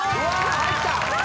入った！